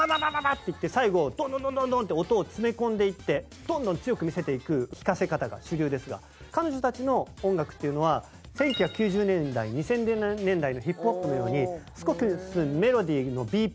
ッていって最後ドンドンドンドンドンって音を詰め込んでいってどんどん強く見せていく聴かせ方が主流ですが彼女たちの音楽っていうのは１９９０年代２０００年代のヒップホップのようにすごくメロディーのＢＰＭ